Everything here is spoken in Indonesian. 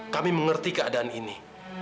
kami mengerti keadaan ini